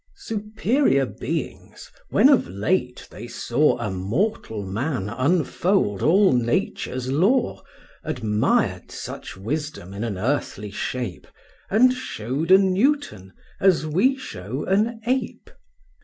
Superior beings, when of late they saw A mortal man unfold all Nature's law, Admired such wisdom in an earthly shape And showed a Newton as we show an ape.